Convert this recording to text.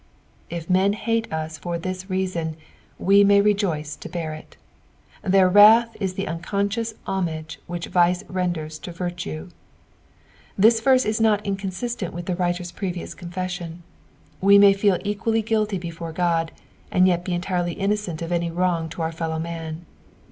It men hate ua for this reason we may rejoice to bear it : their wrath is the unconscious homage which ▼ice rendera to virtue. This verae ia not incousiatent with the writer's previous confession ; we may feel equally guilty before Ood, and yet be entirely innocent of any wrong to our fellow men.